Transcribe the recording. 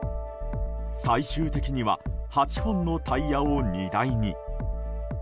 最終的には８本のタイヤを荷台に。